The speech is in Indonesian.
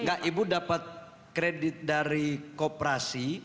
enggak ibu dapat kredit dari kooperasi